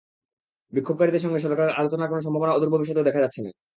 বিক্ষোভকারীদের সঙ্গে সরকারের আলোচনার কোনো সম্ভাবনা অদূর ভবিষ্যতেও দেখা যাচ্ছে না।